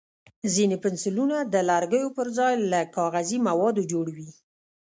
ځینې پنسلونه د لرګیو پر ځای له کاغذي موادو جوړ وي.